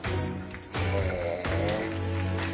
へえ！